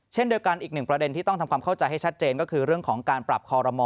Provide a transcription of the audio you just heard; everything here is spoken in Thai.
เช่นเดียวกันอีกหนึ่งประเด็นที่ต้องทำความเข้าใจให้ชัดเจนก็คือเรื่องของการปรับคอรมอ